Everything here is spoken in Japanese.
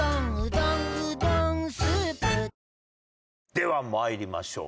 ではまいりましょう。